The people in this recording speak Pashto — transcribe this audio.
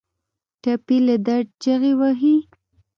ټپي له درد چیغې وهي.